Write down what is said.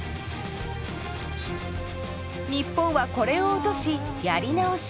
日本はこれを落としやり直し。